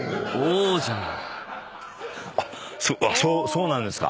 そうなんですか。